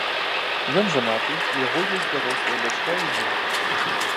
Ён жанаты, у яго ёсць дарослая дачка і ўнук.